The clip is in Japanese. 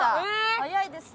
早いですね。